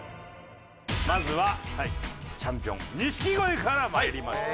まずはチャンピオン錦鯉からまいりましょう。